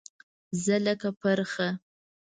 زه لکه پرخه